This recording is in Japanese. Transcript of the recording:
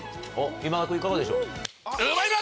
今田君いかがでしょう？